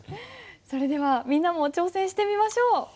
それではみんなも挑戦してみましょう。